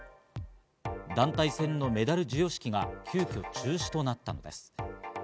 団体戦のメダル授与式が急遽、中止となったのです。